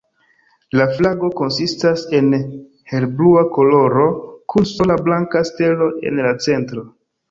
La flago konsistas el helblua koloro kun sola blanka stelo en la centro.